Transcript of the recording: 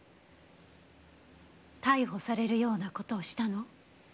逮捕されるような事をしたの？